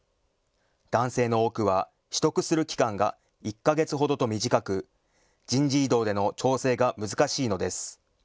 男性の多くは取得する期間が１か月ほどと短く人事異動での調整が難しいのです。